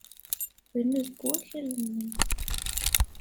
Bnu deg wakal-nnem.